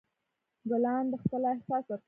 ګلان د ښکلا احساس ورکوي.